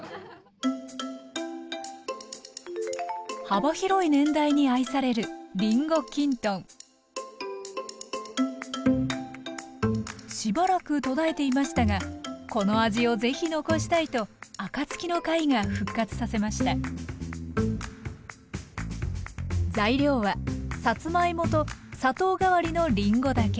幅広い年代に愛されるしばらく途絶えていましたがこの味をぜひ残したいとあかつきの会が復活させました材料はさつまいもと砂糖代わりのりんごだけ。